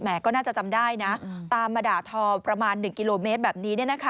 ก็น่าจะจำได้นะตามมาด่าทอประมาณ๑กิโลเมตรแบบนี้